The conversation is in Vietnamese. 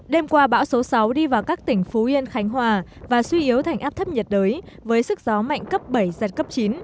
đêm qua bão số sáu đi vào các tỉnh phú yên khánh hòa và suy yếu thành áp thấp nhiệt đới với sức gió mạnh cấp bảy giật cấp chín